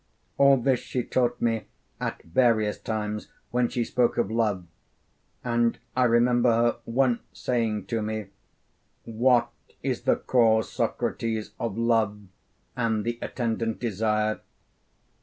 All this she taught me at various times when she spoke of love. And I remember her once saying to me, 'What is the cause, Socrates, of love, and the attendant desire?